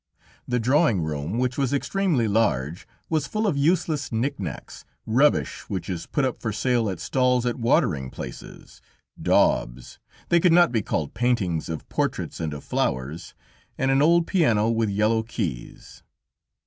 The drawing room, which was extremely large, was full of useless knick knacks, rubbish which is put up for sale at stalls at watering places, daubs, they could not be called paintings of portraits and of flowers, and an old piano with yellow keys.